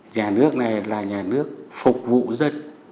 nhà nước này là nhà nước phục vụ dân